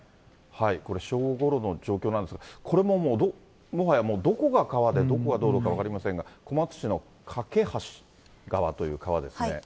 これ、正午ごろの状況なんですが、これももう、もはやどこが川でどこが道路か分かりませんが、小松市の梯川という川ですね。